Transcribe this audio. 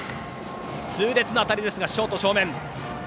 痛烈な当たりですがショート正面。